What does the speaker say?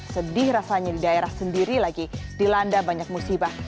sedih rasanya di daerah sendiri lagi dilanda banyak musibah